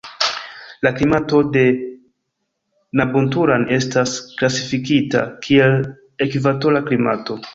La klimato de Nabunturan estas klasifikita kiel ekvatora klimato.